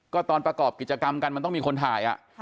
ก็ตอนประกอบกิจกรรมกันมันต้องมีคนถ่าย